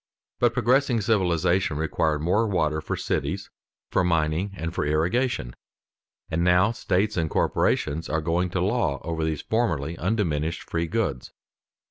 But progressing civilization required more water for cities, for mining, and for irrigation, and now states and corporations are going to law over these formerly undiminished free goods.